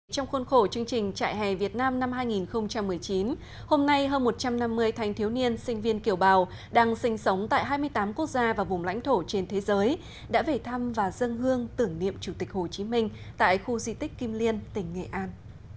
trong khuôn khổ chương trình trại hè việt nam năm hai nghìn một mươi chín hôm nay hơn một trăm năm mươi thanh thiếu niên sinh viên kiểu bào đang sinh sống tại hai mươi tám quốc gia và vùng lãnh thổ trên thế giới đã về thăm và dân hương tưởng niệm chủ tịch hồ chí minh tại khu di tích kim liên tỉnh nghệ an